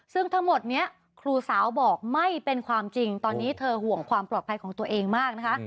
ซึ่งทั้งหมดนี้ครูสาวบอกไม่เป็นความจริงตอนนี้เธอห่วงความปลอดภัยของตัวเองมากนะคะ